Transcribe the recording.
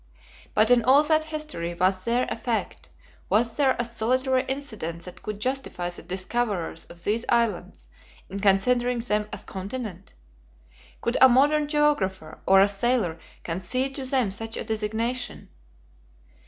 But in all that history was there a fact, was there a solitary incident that could justify the discoverers of these islands in considering them as "a continent." Could a modern geographer or a sailor concede to them such a designation.